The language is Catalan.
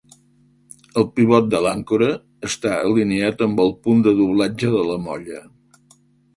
El pivot de l'àncora està alineat amb el punt de doblatge de la molla.